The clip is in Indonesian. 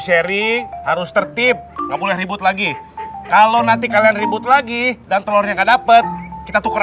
sharing harus tertip kamu ribut lagi kalau nanti kalian ribut lagi dan telur yang dapat kita tukar